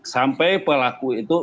sampai pelaku itu